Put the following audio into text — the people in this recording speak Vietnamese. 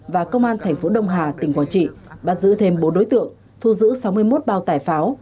và công an thành phố đông hà tỉnh quảng trị bắt giữ thêm bốn đối tượng thu giữ sáu mươi một bao tải pháo